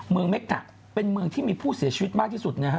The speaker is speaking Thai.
เม็กกะเป็นเมืองที่มีผู้เสียชีวิตมากที่สุดนะฮะ